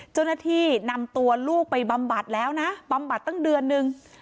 เจ้าหน้าที่นำตัวลูกไปบำบัดแล้วนะบำบัดตั้งเดือนนึง